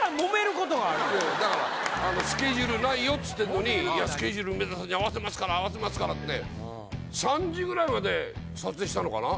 だからスケジュールないよつってんのにスケジュール梅沢さんに合わせますから合わせますからって３時ぐらいまで撮影したのかな？